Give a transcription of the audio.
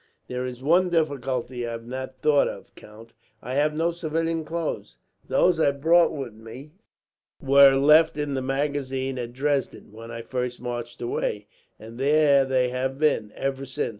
"There is one difficulty I have not thought of, count. I have no civilian clothes. Those I brought with me were left in the magazine at Dresden, when I first marched away; and there they have been, ever since.